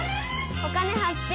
「お金発見」。